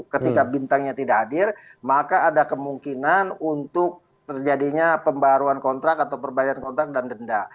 ketika bintangnya tidak hadir maka ada kemungkinan untuk terjadinya pembaruan kontrak atau perbayar kontrak dan denda